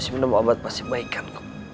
minum obat pasti baik kan